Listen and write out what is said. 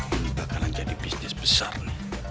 ini bakalan jadi bisnis besar nih